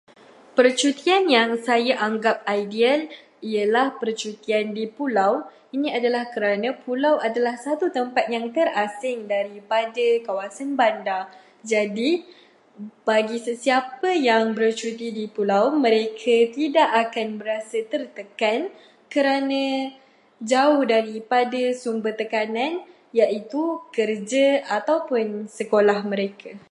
Percutian yang saya anggap ideal ialah percutian di pulau. Ini adalah kerana pulau merupakan satu tempat yang terasing daripada kawasan bandar. Jadi, bagi sesiapa yang bercuti di pulau, mereka tidak akan berasa tertekan kerana jauh daripada sumber tekanan iaitu kerja atau sekolah mereka.